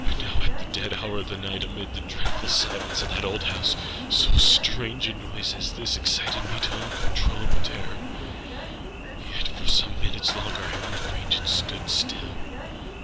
And now at the dead hour of the night, amid the dreadful silence of that old house, so strange a noise as this excited me to uncontrollable terror. Yet, for some minutes longer I refrained and stood still.